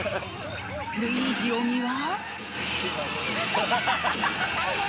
ルイージ小木は。